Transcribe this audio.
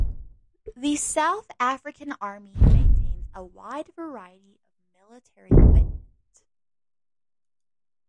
The South African Army maintains a wide variety of military equipment.